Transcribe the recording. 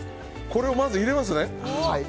これを入れますね。